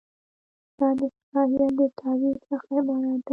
دا د صلاحیت د تعویض څخه عبارت دی.